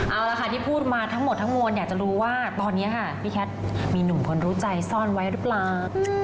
เอาละค่ะที่พูดมาทั้งหมดทั้งมวลอยากจะรู้ว่าตอนนี้ค่ะพี่แคทมีหนุ่มคนรู้ใจซ่อนไว้หรือเปล่า